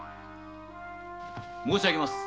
申しあげます。